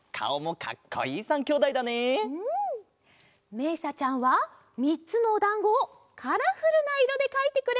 めいさちゃんはみっつのおだんごをカラフルないろでかいてくれました。